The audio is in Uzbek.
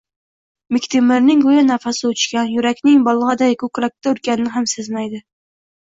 Bektemirning go`yo nafasi o`chgan, yurakning bolg`aday ko`krakda urganini ham sezmaydi